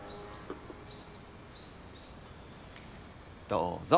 どうぞ。